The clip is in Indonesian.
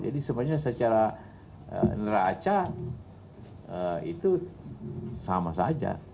jadi sebenarnya secara neraca itu sama saja